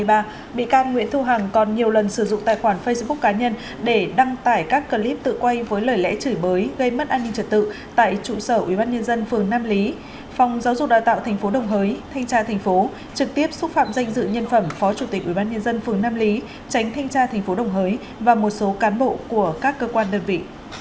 bị can nguyễn thu hằng còn nhiều lần sử dụng tài khoản facebook cá nhân để đăng tải các clip tự quay với lời lẽ chửi bới gây mất an ninh trật tự tại trụ sở ubnd phường nam lý phòng giáo dục đào tạo tp đồng hới thanh tra tp trực tiếp xúc phạm danh dự nhân phẩm phó chủ tịch ubnd phường nam lý tránh thanh tra tp đồng hới và một số cán bộ của các cơ quan đơn vị